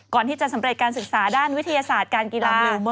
ก่อนที่จะสำเร็จการศึกษาด้านวิทยาศาสตร์การกีฬา